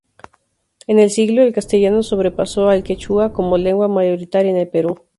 En el siglo, el castellano sobrepasó al quechua como lengua mayoritaria en el Perú.